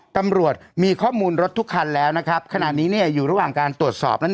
ตำรวจมีข้อมูลรถทุกคันแล้วนะครับขณะนี้เนี่ยอยู่ระหว่างการตรวจสอบนั้น